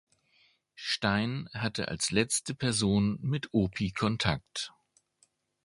Stein hatte als letzte Person mit Opi Kontakt.